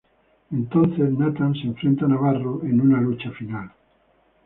Entonces Nathan se enfrenta a Navarro en una lucha final.